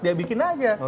dia bikin saja